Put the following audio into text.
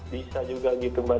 bisa juga gitu mbak